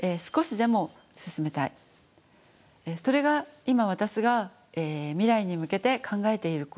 それが今私が未来に向けて考えていることです。